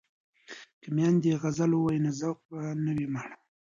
که میندې غزل ووايي نو ذوق به نه وي مړ.